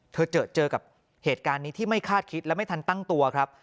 เจอเจอกับเหตุการณ์นี้ที่ไม่คาดคิดและไม่ทันตั้งตัวครับ